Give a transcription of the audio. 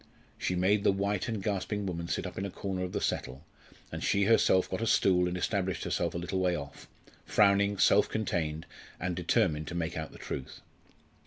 She made the white and gasping woman sit up in a corner of the settle, and she herself got a stool and established herself a little way off, frowning, self contained, and determined to make out the truth.